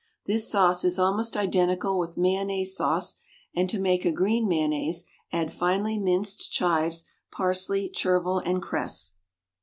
This sauce is almost identical with "Mayonnaise" sauce, and to make a green mayonnaise add finely minced chives, parsley, chervil, and cress.